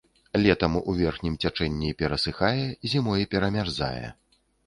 Летам у верхнім цячэнні перасыхае, зімой перамярзае.